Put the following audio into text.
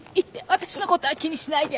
私の事は気にしないで。